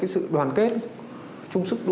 sự đoàn kết trung sức